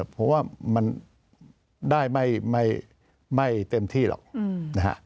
เพราะว่ามันได้ไม่เต็มที่หรอกนะฮะ